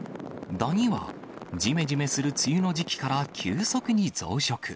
ダニは、じめじめする梅雨の時期から急速に増殖。